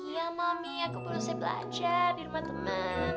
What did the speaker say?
iya mami aku baru selesai belajar di rumah temen